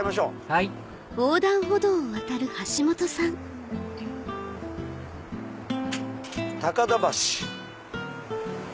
はい高田橋。